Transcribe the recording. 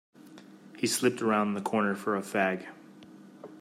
He slipped around the corner for a fag.